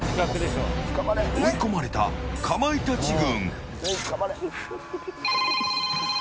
追い込まれた、かまいたち軍。